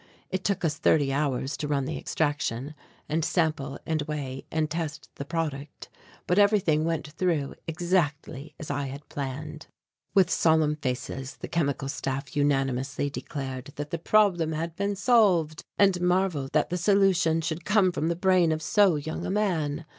It took us thirty hours to run the extraction and sample and weigh and test the product. But everything went through exactly as I had planned. With solemn faces the Chemical Staff unanimously declared that the problem had been solved and marvelled that the solution should come from the brain of so young a man.